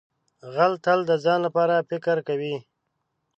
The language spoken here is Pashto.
غل تل د ځان لپاره فکر کوي